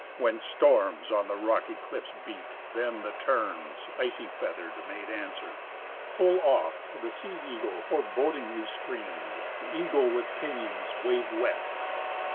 When storms on the rocky cliffs beat, then the terns, icy feathered, Made answer; full oft the sea eagle forebodingly screamed, The eagle with pinions wave wet.